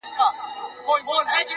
هره هڅه د ځان د اصلاح برخه ده،